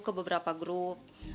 ke beberapa grup